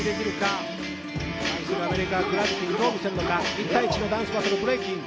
１対１のダンスバトル、ブレイキン。